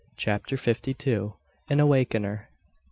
CHAPTER FIFTY TWO. AN AWAKENER.